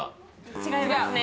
違いますね。